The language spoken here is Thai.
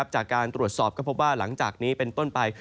จากการตรวจสอบก็พบว่าหลังจากนี้เป็นต้นไป